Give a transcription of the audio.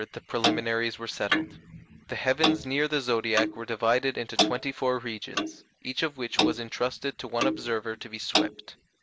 ] In 1800 the preliminaries were settled: the heavens near the zodiac were divided into twenty four regions, each of which was intrusted to one observer to be swept.